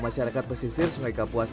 masyarakat pesisir sungai kapuas